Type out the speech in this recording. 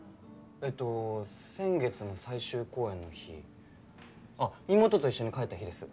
えっと先月の最終公演の日あっ妹と一緒に帰った日です